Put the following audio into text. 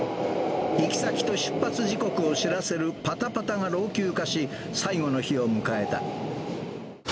行き先と出発時刻を知らせるぱたぱたが老朽化し、最後の日を迎えた。